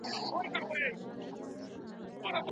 آیا د وچو مېوو کاروبار خلکو ته دندي پیدا کوي؟.